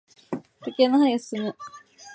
時計の針が進む。